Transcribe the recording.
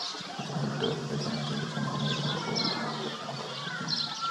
Estas similitudes parecían atestiguar las migraciones de población entre ambas regiones.